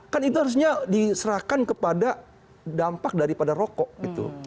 kan itu harusnya diserahkan kepada dampak daripada rokok gitu